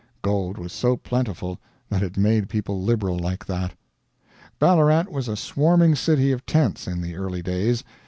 Gold was so plentiful that it made people liberal like that. Ballarat was a swarming city of tents in the early days.